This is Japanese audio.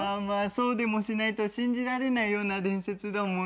まあそうでもしないと信じられないような伝説だもんね。